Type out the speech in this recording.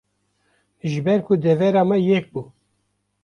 ji ber ku devera me yek bû